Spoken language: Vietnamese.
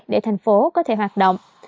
để thành phố có thể hoạt động